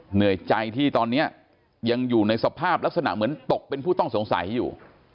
เหนื่อยใจที่ตอนนี้ยังอยู่ในสภาพลักษณะเหมือนตกเป็นผู้ต้องสงสัยอยู่